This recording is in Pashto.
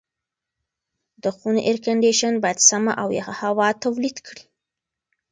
د خونې اېرکنډیشن باید سمه او یخه هوا تولید کړي.